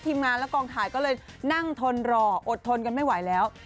งานและกองถ่ายก็เลยนั่งทนรออดทนกันไม่ไหวแล้ว